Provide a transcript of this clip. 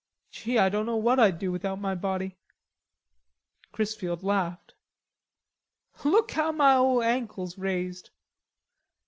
Gee, I don't know what I'd do without my body." Chrisfield laughed. "Look how ma ole ankle's raised....